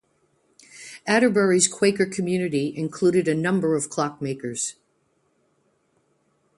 Adderbury's Quaker community included a number of clockmakers.